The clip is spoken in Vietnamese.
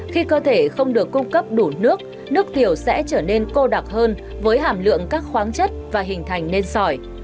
khi cơ thể không được cung cấp đủ nước nước tiểu sẽ trở nên cô đặc hơn với hàm lượng các khoáng chất và hình thành nên sỏi